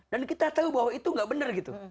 dan kita tahu bahwa itu gak benar gitu